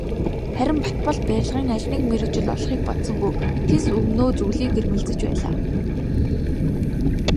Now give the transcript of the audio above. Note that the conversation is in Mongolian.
Харин Батболд барилгын аль нэг мэргэжил олохыг бодсонгүй, тэс өмнөө зүйлийг эрмэлзэж байлаа.